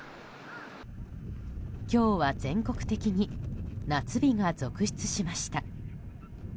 今日は全国的に夏日が続出しました。